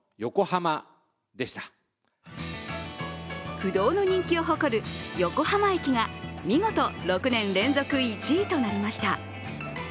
不動の人気を誇る横浜駅が見事６年連続１位となりました。